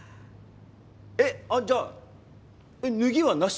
えっあじゃあ脱ぎは無し？